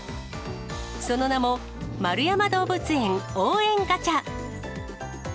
その名も、円山動物園応援ガチャ。